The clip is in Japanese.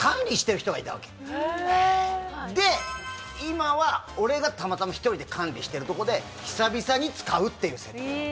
で今は俺がたまたま１人で管理してるとこで久々に使うっていう設定なの。